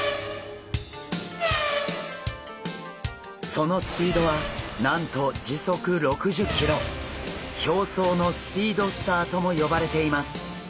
そのスピードはなんと表層のスピードスターとも呼ばれています。